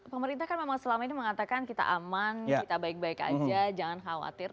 pemerintah kan memang selama ini mengatakan kita aman kita baik baik aja jangan khawatir